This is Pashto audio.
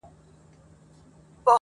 نسه ـ نسه جام د سوما لیري کړي.